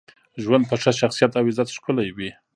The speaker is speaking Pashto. ژوند په ښه شخصیت او عزت ښکلی وي.